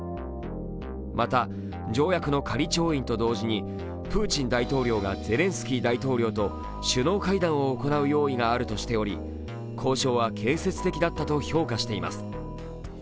また、条約の仮調印と同時にプーチン大統領がゼレンスキー大統領と首脳会談を行う用意があるとしており交渉は建設的だったと評価しています。